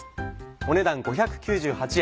お値段５９８円